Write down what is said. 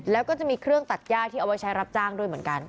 แล้วก็จะมีเครื่องตัดย่าที่เอาไว้ใช้รับจ้างด้วยเหมือนกัน